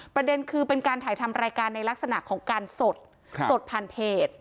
ประเด็นคือเป็นการถ่ายทำรายการในลักษณะของการสดสดผ่านเพจ